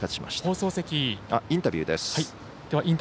ではインタビューです。